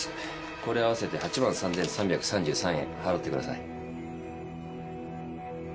これを合わせて８万３，３３３円払ってください。